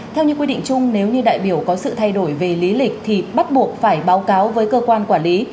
theo như quy định chung nếu như đại biểu có sự thay đổi về lý lịch thì bắt buộc phải báo cáo với cơ quan quản lý